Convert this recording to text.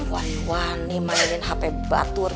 wah nih mainin hape batur